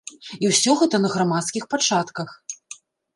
І ўсё гэта на грамадскіх пачатках.